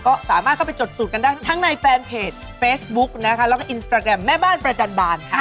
ก็สามารถเข้าไปจดสูตรกันได้ทั้งในแฟนเพจเฟซบุ๊กนะคะแล้วก็อินสตราแกรมแม่บ้านประจันบาลค่ะ